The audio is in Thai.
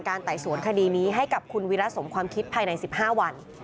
ไต่สวนคดีนี้ให้กับคุณวิระสมความคิดภายใน๑๕วัน